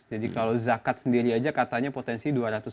jadi kalau zakat sendiri aja katanya potensi dua ratus triliun per tahun